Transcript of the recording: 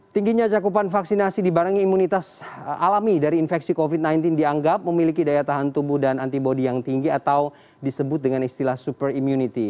tingginya cakupan vaksinasi dibarengi imunitas alami dari infeksi covid sembilan belas dianggap memiliki daya tahan tubuh dan antibody yang tinggi atau disebut dengan istilah super immunity